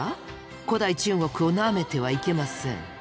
古代中国をなめてはいけません。